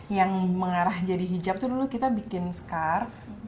yang mengarah jadi hijab itu dulu kita bikin scar